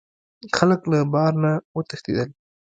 خلک له بار نه وتښتیدل.